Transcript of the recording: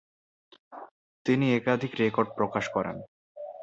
তিনি একাধিক রেকর্ড প্রকাশ করেন।